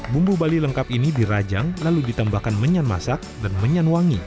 bumbu bali lengkap ini dirajang lalu ditambahkan menyan masak dan menyan wangi